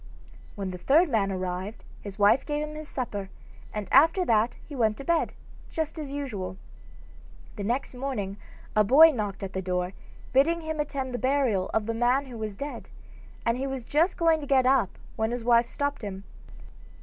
When the third man arrived his wife gave him his supper, and after that he went to bed, just as usual. The next morning a boy knocked at the door, bidding him attend the burial of the man who was dead, and he was just going to get up when his wife stopped him.